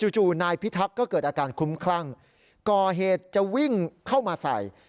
จู่นายพิทักษ์ก็เกิดอาการคุ้มคลั่งก่อเหตุจะวิ่งเข้ามาใส่